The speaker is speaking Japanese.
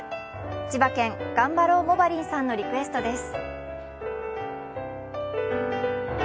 千葉県、がんばろうモバりんさんのリクエストです。